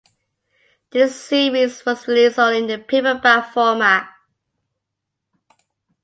This series was released only in paperback format.